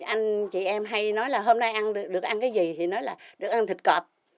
anh chị em hay nói là hôm nay ăn được ăn cái gì thì nói là được ăn thịt cọp